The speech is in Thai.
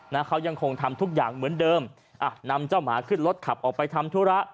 นะเขายังคงทำทุกอย่างเหมือนเดิมอ่ะนำเจ้าหมาขึ้นรถขับออกไปทำธุระ